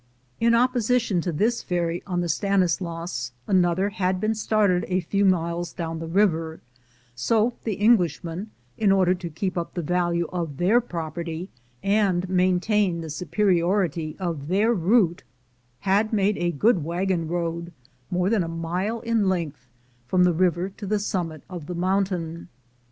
In opposition to this ferry on the Stanislaus, another had been started a few miles down the river; so the Englishmen, in order to keep up the value of their property and maintain the superiority of their route, had made a good wagon road, more than a mile in length, from the river to the summit of the mountain.